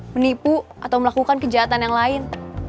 menipu atau melakukan kejahatan yang lain